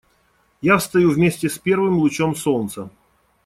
Я встаю вместе с первым лучом солнца.